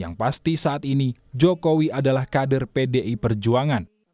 yang pasti saat ini jokowi adalah kader pdi perjuangan